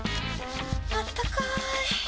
あったかーい。